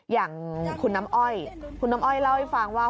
อย่างคุณน้ำอ้อยคุณน้ำอ้อยเล่าให้ฟังว่า